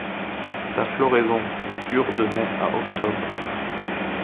Sa floraison dure de mai à octobre.